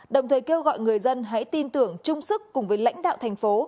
đồng thời kêu gọi người dân hãy tin tưởng chung sức cùng với lãnh đạo thành phố